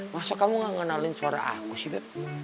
masa kamu gak ngak ngenalin suara aku sih beb